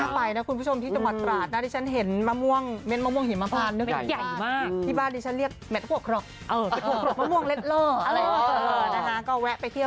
น่าไปน่ะคุณผู้ชมที่จังหวัดประหลาดนี่